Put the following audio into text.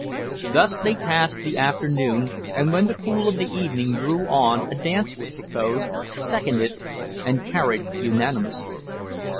Thus they passed the afternoon, and when the cool of the evening drew on a dance was proposed, seconded, and carried unanimously.